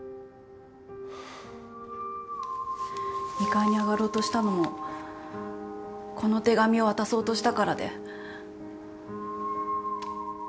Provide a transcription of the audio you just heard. ２階に上がろうとしたのもこの手紙を渡そうとしたからで。